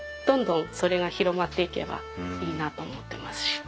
どんどんそれが広まっていけばいいなと思ってますし。